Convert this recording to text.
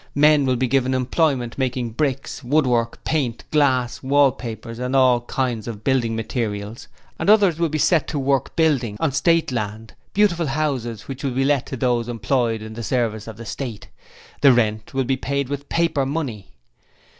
Men will be given employment making bricks, woodwork, paints, glass, wallpapers and all kinds of building materials and others will be set to work building on State land beautiful houses, which will be let to those employed in the service of the State. The rent will be paid with paper money.